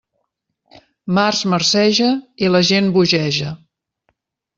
Març marceja... i la gent bogeja.